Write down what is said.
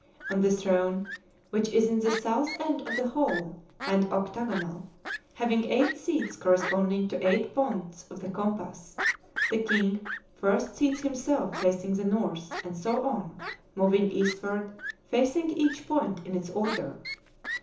On the throne, which is in the south end of the hall, and octagonal, having eight seats corresponding to eight points of the compass, the king first seats himself facing the north, and so on, moving eastward, facing each point in its order.